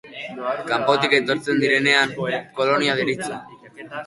Kanpotik etortzen direnean kolonia deritzo.